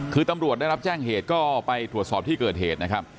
คือตำรวจได้รับแจ้งเหตุก็ไปตรวจสอบที่เกิดเหตุนะครับ